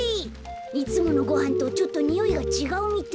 いつものごはんとちょっとにおいがちがうみたい。